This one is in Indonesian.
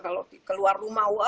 kalau keluar rumah